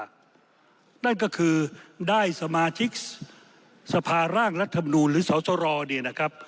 นั่นก็คือได้สมาชิกสภาร่างรัฐมนูลหรือสอสรเนี่ยนะครับ